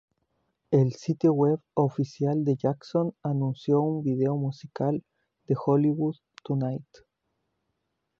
El sitio web oficial de Jackson anunció un vídeo musical de "Hollywood Tonight".